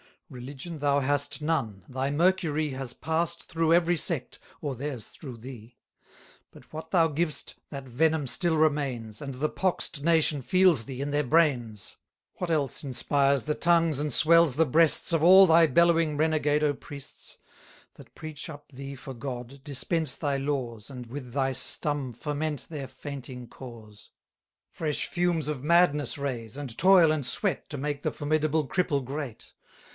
Religion thou hast none: thy mercury Has pass'd through every sect, or theirs through thee. But what thou giv'st, that venom still remains, And the pox'd nation feels thee in their brains. What else inspires the tongues and swells the breasts Of all thy bellowing renegado priests, That preach up thee for God, dispense thy laws, And with thy stum ferment their fainting cause? 270 Fresh fumes of madness raise; and toil and sweat To make the formidable cripple great.